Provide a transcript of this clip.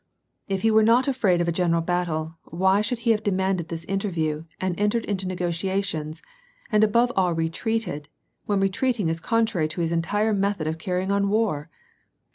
" If he were not afraid of a general battle, why should he have demanded this interview, and entered into negotiations, and above all retreated, when retreating is contrary to his entire method of carrying on war